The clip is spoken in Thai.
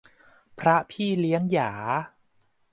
พระพี่เลี้ยงหยา